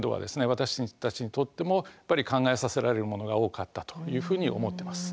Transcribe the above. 私たちにとってもやっぱり考えさせられるものが多かったというふうに思ってます。